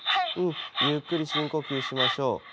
ゆっくり深呼吸しましょう。